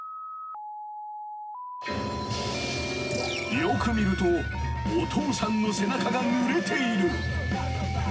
［よく見るとお父さんの背中がぬれている］